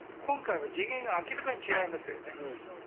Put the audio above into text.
今回は次元が明らかに違いますよね。